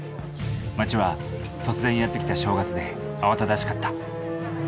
町は突然やって来た正月で慌ただしかった。